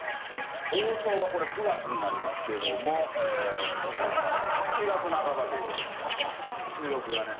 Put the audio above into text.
放送はこれ９月になりますけども本日は７月半ばという事ですね。